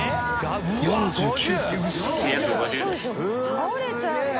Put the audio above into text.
倒れちゃうよ。